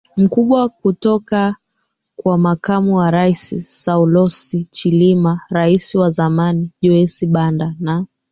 mkubwa kutoka kwa makamu wa rais Saulos Chilima rais wa zamani Joyce Banda na